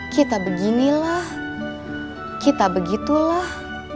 kita beginilah kita begitulah